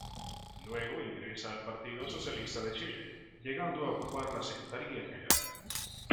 Luego, ingresa al Partido Socialista de Chile, llegando a ocupar la secretaría general.